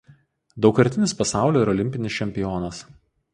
Daugkartinis pasaulio ir olimpinis čempionas.